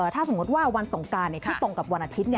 ถ้าสมมุติว่าวันสงการที่ตรงกับวันอาทิตย์